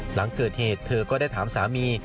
หลังเกิดเหตุเธอก็ได้ถามสามี